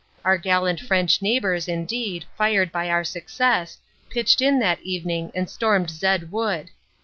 Our gallant French neighbors, indeed, fired by our success, pitched in that evening and stormed Zed Wood.